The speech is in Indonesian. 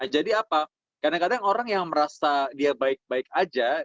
jadi apa kadang kadang orang yang merasa dia baik baik saja